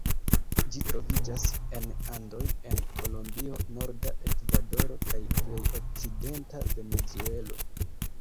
Ĝi troviĝas en Andoj en Kolombio, norda Ekvadoro, kaj plej okcidenta Venezuelo.